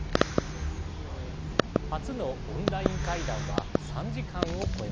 初のオンライン会談は３時間を超えました。